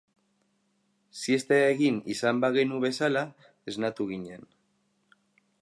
Siesta egin izan bagenu bezala esnatu ginen.